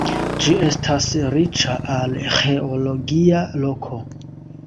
Ĝi estas riĉa arĥeologia loko.